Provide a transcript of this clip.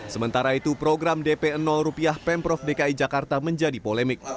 sementara itu program dp rupiah pemprov dki jakarta menjadi polemik